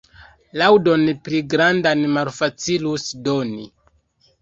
Laŭdon pli grandan malfacilus doni.